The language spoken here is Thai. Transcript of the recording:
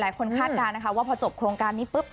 หลายคนคาดการณ์ว่าพอจบโครงการนี้ปุ๊บ